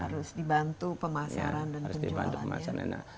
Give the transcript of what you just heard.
harus dibantu pemasaran dan penjualannya